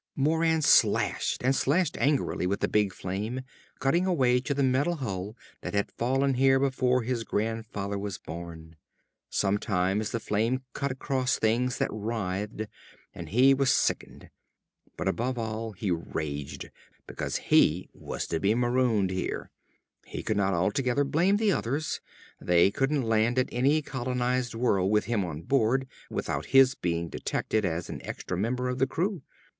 Moran slashed and slashed angrily with the big flame, cutting a way to the metal hull that had fallen here before his grandfather was born. Sometimes the flame cut across things that writhed, and he was sickened. But above all he raged because he was to be marooned here. He could not altogether blame the others. They couldn't land at any colonized world with him on board without his being detected as an extra member of the crew.